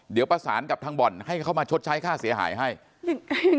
เดี๋ยวประสานกับทางบ่อนให้เขามาชดใช้ค่าเสียหายให้จริง